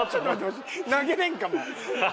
わし投げれんかも。